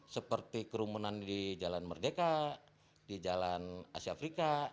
seperti kerumunan di jalan merdeka di jalan asia afrika